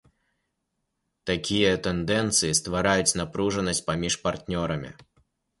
Такія тэндэнцыі ствараюць напружанасць паміж партнёрамі.